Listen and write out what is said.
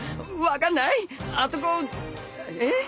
あそこえっ？